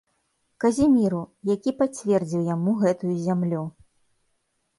Казіміру, які пацвердзіў яму гэтую зямлю.